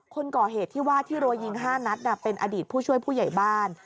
คนก่อเหตุที่ว่าที่รัวยิง๕นัดเป็นอดีตผู้ช่วยผู้ใหญ่บ้าน